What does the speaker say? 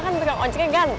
kan tukang ojeknya ganteng